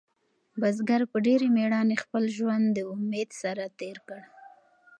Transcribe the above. بزګر په ډېرې مېړانې خپل ژوند د امید سره تېر کړ.